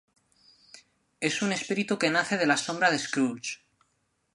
Es un espíritu que nace de la sombra de Scrooge.